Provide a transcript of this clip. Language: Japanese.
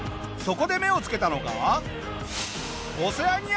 そこで目を付けたのが。